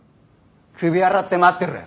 首洗って待ってろよ。